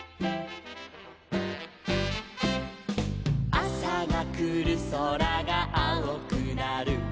「あさがくるそらがあおくなる」